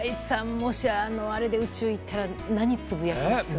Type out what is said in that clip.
もしあれで宇宙行ったら何をつぶやきますか？